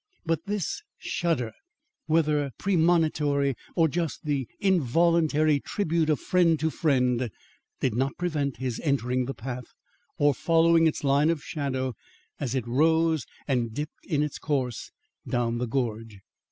But this shudder, whether premonitory or just the involuntary tribute of friend to friend, did not prevent his entering the path or following its line of shadow as it rose and dipped in its course down the gorge.